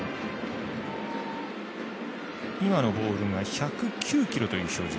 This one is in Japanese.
今のボールが１０９キロという表示。